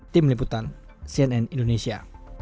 tim liputan cnn indonesia